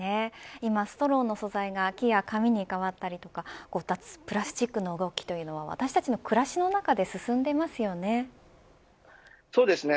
今、ストローの素材が木や紙に変わったりとか脱プラスチックな動きが私たちの暮らしの中で進んでいますよね。